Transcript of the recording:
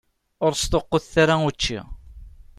Ur sṭuqqutet ara učči.